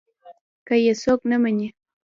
که يې څوک نه مني.